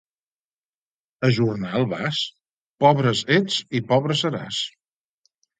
A jornal vas? Pobres ets i pobre seràs.